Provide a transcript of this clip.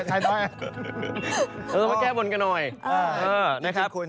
อะเต็มตัวแก้วบนกันหน่อย